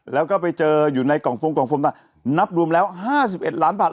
แล้วก็ไปเจออยู่ในกล่องโฟมกล่องโฟมน่ะนับรวมแล้วห้าสิบเอ็ดล้านบาท